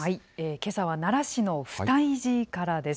けさは奈良市の不退寺からです。